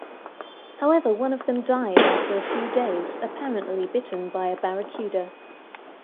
However one of them died after a few days, apparently bitten by a barracuda.